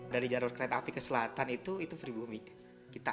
dari jalur kereta api ke selatan itu itu pribumi